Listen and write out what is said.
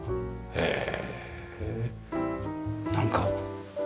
へえ。